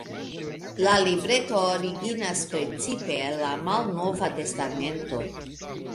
La libreto originas precipe el la Malnova Testamento.